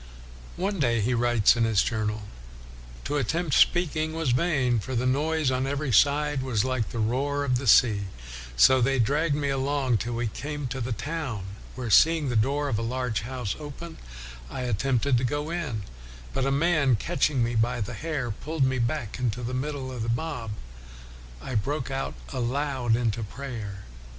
One day he writes in his journal, " To attempt WESLEY speaking was vain, for the noise on every side was like the roaring of the sea; so they dragged me along till we came to the town, where seeing the door of a large house open I attempted to go in; but a man, catching me by the hair, pulled me back into the middle of the mob. I broke out aloud into prayer.